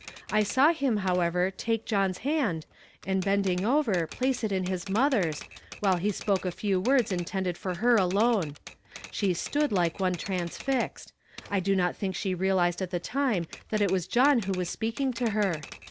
I saw liim, however, take John's hand, and hending over, pkce it in his motlier's, while he spoke a few words intended for lu'r alone. She stood like one transfixed; I tlo not think she realized at the time that it was John who was speaking to her.